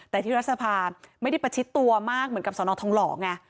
แต่ที่รัฐสภาไม่ได้ประชิดตัวมากเหมือนกับสนทองหล่อไง